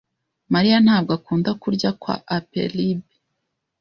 Mariya ntabwo akunda kurya kwa Applebee.